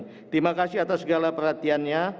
terima kasih atas segala perhatiannya